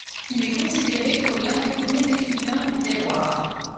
Il est considéré comme l'un des premiers écrivains du terroir.